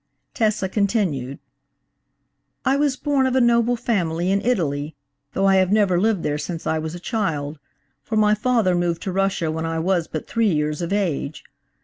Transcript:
Tessa continued: "I was born of a noble family in Italy, though I have never lived there since I was a child, for my father moved to Russia when I was but three years of age.